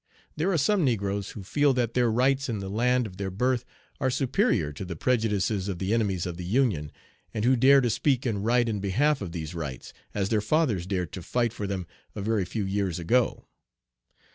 There are some negroes who feel that their rights in the land of their birth are superior to the prejudices of the enemies of the Union, and who dare to speak and write in behalf of these rights, as their fathers dared to fight for them a very few years ago.